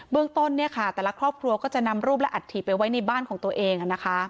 เรื่องต้นแต่ละครอบครัวก็จะนำรูปและอัฐิไปไว้ในบ้านของตัวเอง